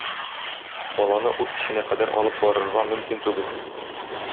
Баланы ут эченә кадәр алып барырга мөмкин түгел.